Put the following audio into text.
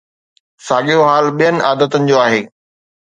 ساڳيو حال ٻين عادتن جو آهي.